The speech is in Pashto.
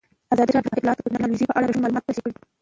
ازادي راډیو د اطلاعاتی تکنالوژي په اړه رښتیني معلومات شریک کړي.